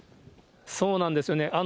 そうなんですよね。